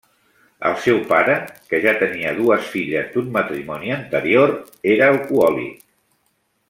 El seu pare, que ja tenia dues filles d'un matrimoni anterior, era alcohòlic.